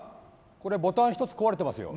これボタン１つ壊れてますよ